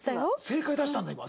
正解出したんだ今。